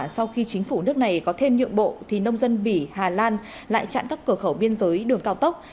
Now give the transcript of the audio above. sau khi chính phủ nước này có thêm nhượng bộ thì nông dân bỉ hà lan lại chặn các cửa khẩu biên giới đường cao tốc